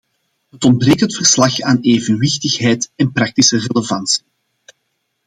Het ontbreekt het verslag aan evenwichtigheid en praktische relevantie.